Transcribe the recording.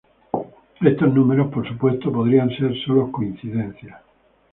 Estos números, por supuesto, podrían ser sólo coincidencias.